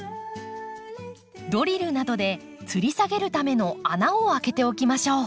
ドリルなどでつり下げるための穴を開けておきましょう。